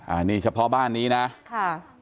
อ่านี่เฉพาะบ้านนี้นะครับ